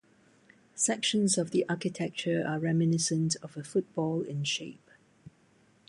Sections of the architecture are reminiscent of a football in shape.